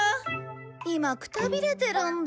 今くたびれてるんだ。